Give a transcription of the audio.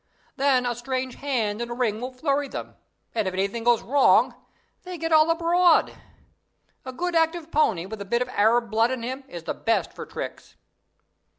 Then a strange hand in the ring will flurry them, and if anything goes wrong, they get all abroad. A good active pony, with a bit of Arab blood in him, is the best for tricks."